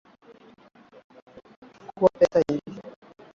Chukua pesa hizi.